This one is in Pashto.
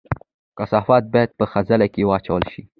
کثافات باید په خځلۍ کې واچول شي